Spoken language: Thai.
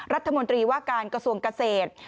รัฐมนตรีว่าการกระทรวงเกษตร